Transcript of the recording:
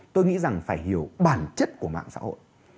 tôi nghĩ rằng phải hiểu bản chất của mạng xã hội